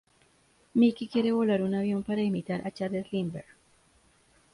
Mickey quiere volar un avión para imitar a Charles Lindbergh.